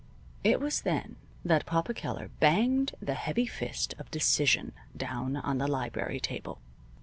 It was then that Papa Keller banged the heavy fist of decision down on the library table.